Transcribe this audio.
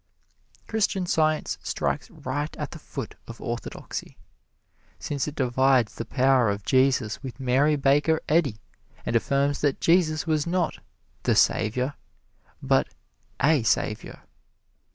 Christian Science strikes right at the root of orthodoxy, since it divides the power of Jesus with Mary Baker Eddy and affirms that Jesus was not "The Savior," but A Savior.